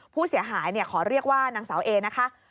ผู้เสียหายขอเรียกว่านางสาวเอนะคะ